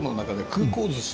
空港寿司？